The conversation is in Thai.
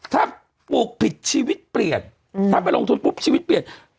ถ้าปลูกผิดชีวิตเปลี่ยนถ้าไปลงทุนปุ๊บชีวิตเปลี่ยน